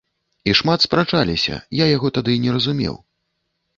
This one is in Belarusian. І шмат спрачаліся, я яго тады не разумеў.